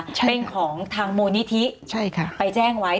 เป็นของทางมูลนิธิไปแจ้งไว้